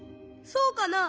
そうかな？